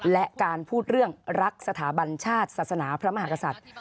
และการพูดเรื่องรักสถาบันชาติศาสนาพระมหากษัตริย์